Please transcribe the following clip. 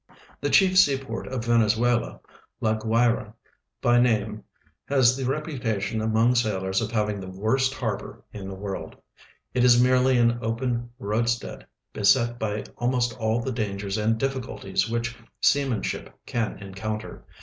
The chief seajjort of Venezuela, La Guayra hy name, has the rci)Utation among sailors of having the worst harbor in the world. It is merely an open roadstead, beset by almost all the dangers and difficulties which seamanship can encounter.